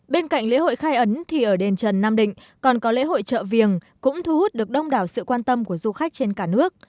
bên cạnh lễ hội khai ấn thì ở đền trần nam định còn có lễ hội chợ viềng cũng thu hút được đông đảo sự quan tâm của du khách trên cả nước